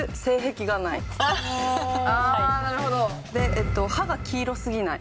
えっと歯が黄色すぎない。